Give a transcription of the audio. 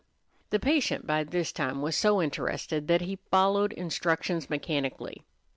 The patient by this time was so interested that he followed instructions mechanically.